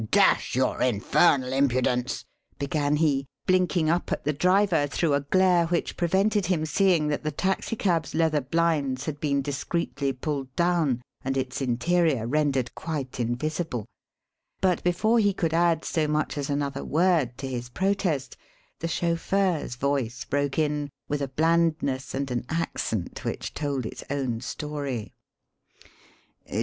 Dash your infernal impudence," began he, blinking up at the driver through a glare which prevented him seeing that the taxicab's leather blinds had been discreetly pulled down, and its interior rendered quite invisible; but before he could add so much as another word to his protest the chauffeur's voice broke in with a blandness and an accent which told its own story.